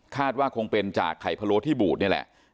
ว่าคงเป็นจากไข่พะโล้ที่บูดนี่แหละ